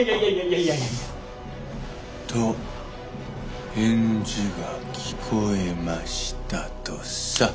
しっ！と返事が聞こえましたとさ。